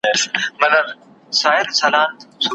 ژوند له دې انګار سره پیوند لري